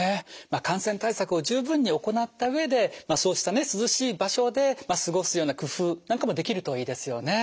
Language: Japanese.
感染対策を十分に行った上でそうしたね涼しい場所で過ごすような工夫なんかもできるといいですよね。